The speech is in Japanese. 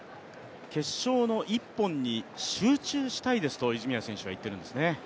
決勝の一本に集中したいですと泉谷選手は言っているんですね。